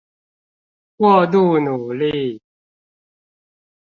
過度努力